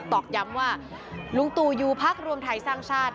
ตอกย้ำว่าลุงตู่อยู่พักรวมไทยสร้างชาติ